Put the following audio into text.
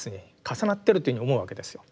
重なってるというふうに思うわけですよ。